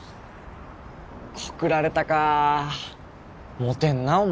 告られたかモテんなお